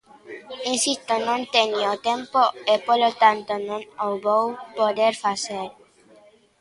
Insisto, non teño tempo e, polo tanto, non o vou poder facer.